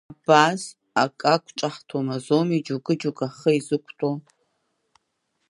Абас ак ақәҿаҳҭуам азоуми, џьоукы-џьоукы ҳхы изықәтәоу.